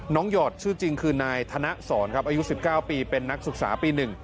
หยอดชื่อจริงคือนายธนสอนครับอายุ๑๙ปีเป็นนักศึกษาปี๑